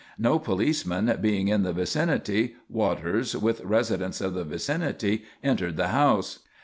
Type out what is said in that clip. No policeman being in the vicinity, Waters, with residents of the vicinity, entered the house.